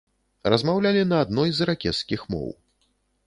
Размаўлялі на адной з іракезскіх моў.